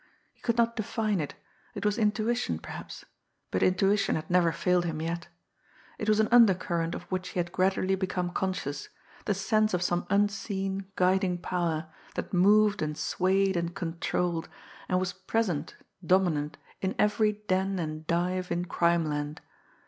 He could not define it, it was intuition perhaps but intuition had never failed him yet. It was an undercurrent of which he had gradually become conscious, the sense of some unseen, guiding power, that moved and swayed and controlled, and was present, dominant, in every den and dive in crimeland.